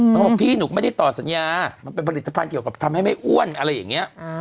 เขาบอกพี่หนูก็ไม่ได้ต่อสัญญามันเป็นผลิตภัณฑ์เกี่ยวกับทำให้ไม่อ้วนอะไรอย่างนี้